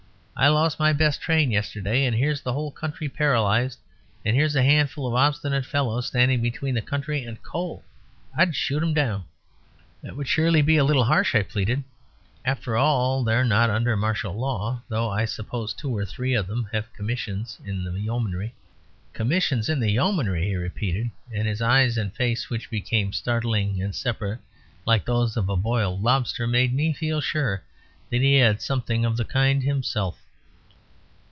I lost my best train yesterday, and here's the whole country paralysed, and here's a handful of obstinate fellows standing between the country and coal. I'd shoot 'em down!" "That would surely be a little harsh," I pleaded. "After all, they are not under martial law, though I suppose two or three of them have commissions in the Yeomanry." "Commissions in the Yeomanry!" he repeated, and his eyes and face, which became startling and separate, like those of a boiled lobster, made me feel sure that he had something of the kind himself.